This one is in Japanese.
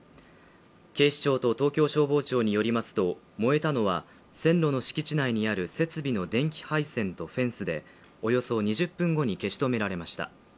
警視庁と東京消防庁によりますと、燃えたのは線路の敷地内にある設備の電気配線とフェンスで、およそ２０分後に消し止められました。